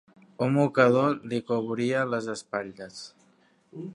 Un mocador li cobria les espatlles.